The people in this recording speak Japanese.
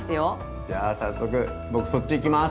じゃあ早速僕そっち行きます！